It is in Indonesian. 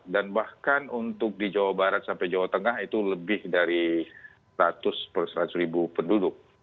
dan bahkan untuk di jawa barat sampai jawa tengah itu lebih dari seratus persatus ribu penduduk